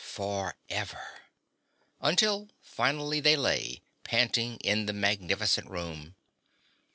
Forever.... Until finally they lay, panting, in the magnificent room.